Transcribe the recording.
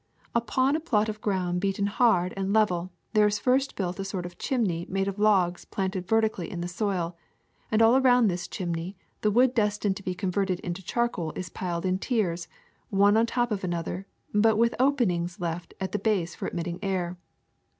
^^Upon a plot of ground beaten hard and level there is first built a sort of chimney made of logs planted vertically in the soil, and around this chim ney the wood destined to be converted into charcoal is piled in tiers, one on top of another, but with open ings left at the base for admitting air.